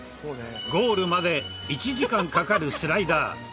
ゴールまで１時間かかるスライダー。